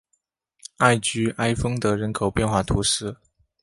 艾居埃丰德人口变化图示